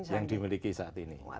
yang dimiliki saat ini